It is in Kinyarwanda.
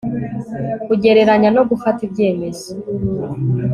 kugereranya no gufata ibyemezo